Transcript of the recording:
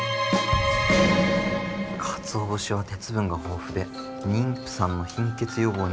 かつお節は鉄分が豊富で妊婦さんの貧血予防にも効果的と。